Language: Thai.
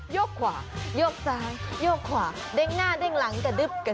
กขวาโยกซ้ายโยกขวาเด้งหน้าเด้งหลังกระดึ๊บกระ